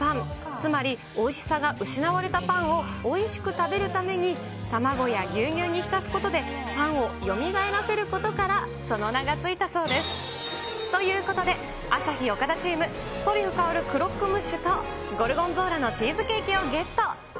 つまり、おいしさが失われたパンをおいしく食べるために、卵や牛乳に浸すことでパンをよみがえらせることから、その名が付いたそうです。ということで、朝日・岡田チーム、トリュフ薫るクロックムッシュとゴルゴンゾーラのチーズケーキをゲット。